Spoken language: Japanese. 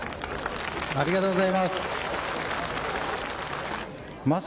ありがとうございます。